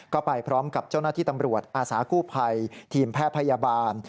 ก็ไปพร้อมกับเจ้าหน้าที่ตำรวจอาสากู้ภัยทีมแพทย์พยาบาล